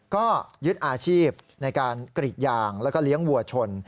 ก็ยึดอาชีพในการกรีดยางแล้วก็เลี้ยงวัวชน